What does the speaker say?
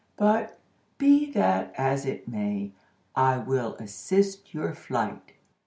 But, be that as it may, I will assist your flight."